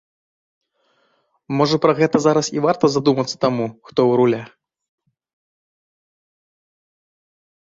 Можа пра гэта зараз і варта задумацца таму, хто ў руля?